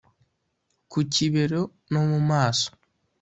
ku kibero no mu maso.